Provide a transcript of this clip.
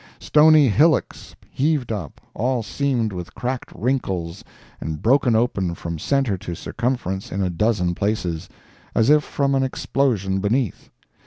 Stony hillocks heaved up, all seamed with cracked wrinkles and broken open from center to circumference in a dozen places, as if from an explosion beneath.